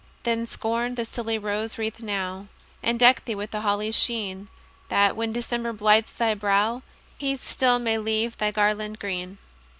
Then, scorn the silly rose wreath now, And deck thee with the holly's sheen, That, when December blights thy brow, He still may leave thy garland green.